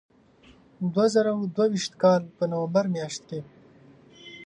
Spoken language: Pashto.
د دوه زره دوه ویشت کال په نومبر میاشت کې.